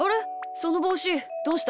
そのぼうしどうした？